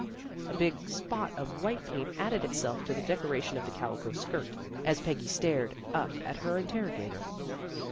" A big spot of white paint added itself to the decoration of the calico skirt, as Peggy stared up at her interrogator.